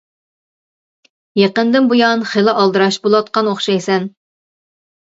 يېقىندىن بۇيان خېلى ئالدىراش بولۇۋاتقان ئوخشايسەن.